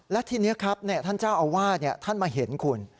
และทีนี้ครับท่านเจ้าอาวาสท่านมาเห็นคุณ